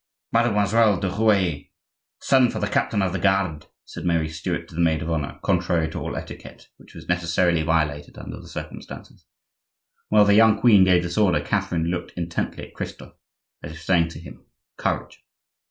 "Mademoiselle du Rouet, send for the captain of the guard," said Mary Stuart to the maid of honor, contrary to all etiquette, which was necessarily violated under the circumstances. While the young queen gave this order, Catherine looked intently at Christophe, as if saying to him, "Courage!"